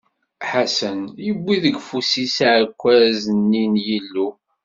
Ḥasan yewwi deg ufus-is aɛekkaz-nni n Yillu.